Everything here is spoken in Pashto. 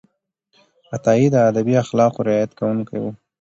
عطایي د ادبي اخلاقو رعایت کوونکی و.